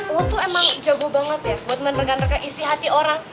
oh tuh emang jago banget ya buat rekan rekan isi hati orang